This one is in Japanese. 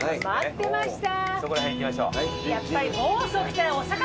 待ってました！